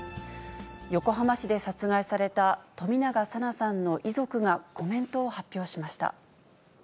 横浜市で殺害された冨永紗菜さんの遺族がコメントを発表しました。